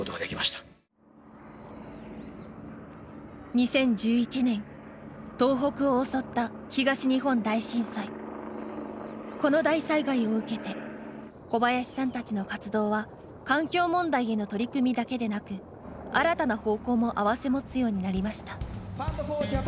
２０１１年東北を襲ったこの大災害を受けて小林さんたちの活動は環境問題への取り組みだけでなく新たな方向も併せ持つようになりました。